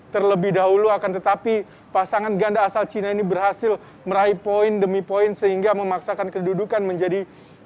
terlebih dahulu akan tetapi pasangan ganda asal china ini berhasil meraih poin demi poin sehingga memaksakan kedudukan menjadi dua puluh dua dua puluh empat